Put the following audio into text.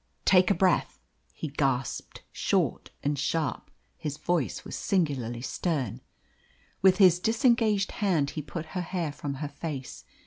"Take a breath," he gasped short and sharp. His voice was singularly stern. With his disengaged hand he put her hair from her face.